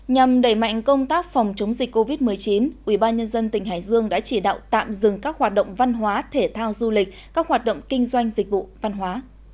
nhằm đẩy mạnh công tác phòng chống dịch covid một mươi chín ubnd tỉnh hải dương đã chỉ đạo tạm dừng các hoạt động văn hóa thể thao du lịch các hoạt động kinh doanh dịch vụ văn hóa